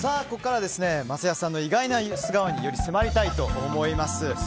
ここからは松也さんの意外な素顔により迫りたいと思います。